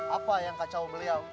apa yang kacau beliau